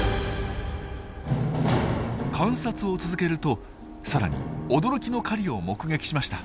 観察を続けるとさらに驚きの狩りを目撃しました。